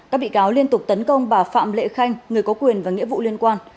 các bị cáo liên tục tấn công bà phạm lệ khanh người có quyền và nghĩa vụ liên quan